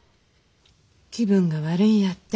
気分が悪いんやって。